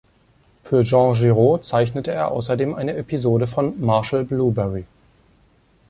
Für Jean Giraud zeichnete er außerdem eine Episode von "Marshal Blueberry".